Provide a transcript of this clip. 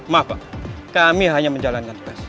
maaf pak kami hanya menjalankan tes